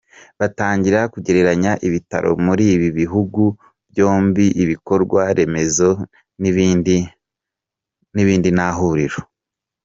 Batangira kugereranya ibitaro muri ibi bihugu byombi, ibikorwa remezo, n’ibindi, nta huriro.